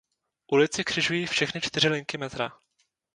Ulici křižují všechny čtyři linky metra.